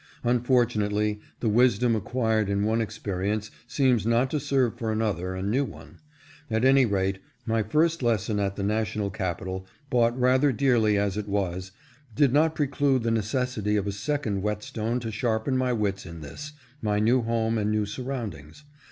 Unfortunately the wisdom acquired in one experience seems not to serve for another and new one ; at any rate, my first lesson at the national capital, bought rather dearly as it was, did not preclude the necessity of a second whetstone to sharpen my wits in this, my new home and new surroundings.